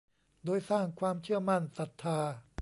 โดยสร้างความเชื่อมั่น ศรัทธา